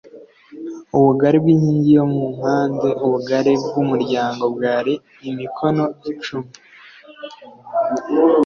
Ubugari bw inkingi yo mu mpande ubugari bw umuryango bwari imikono icumi